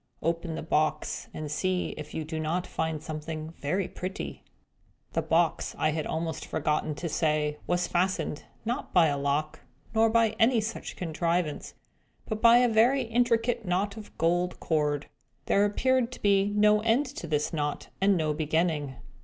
Open the box, and see if you do not find something very pretty!" The box, I had almost forgotten to say, was fastened; not by a lock, nor by any other such contrivance, but by a very intricate knot of gold cord. There appeared to be no end to this knot, and no beginning.